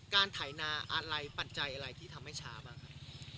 ไถนาอะไรปัจจัยอะไรที่ทำให้ช้าบ้างครับ